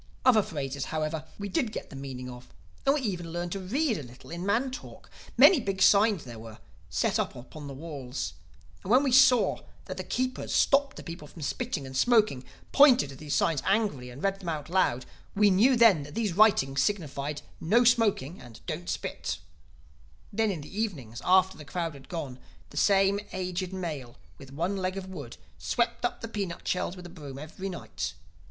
Other phrases, however, we did get the meaning of; and we even learned to read a little in man talk. Many big signs there were, set up upon the walls; and when we saw that the keepers stopped the people from spitting and smoking, pointed to these signs angrily and read them out loud, we knew then that these writings signified, No Smoking and Don't Spit. "Then in the evenings, after the crowd had gone, the same aged male with one leg of wood, swept up the peanut shells with a broom every night.